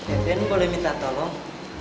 eben boleh minta tolong